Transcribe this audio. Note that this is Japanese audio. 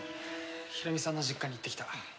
ヒロミさんの実家に行ってきた。